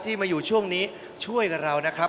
มาอยู่ช่วงนี้ช่วยกับเรานะครับ